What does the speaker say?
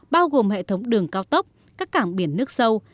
bao gồm hệ thống đường cao tốc các cảng biển nước sâu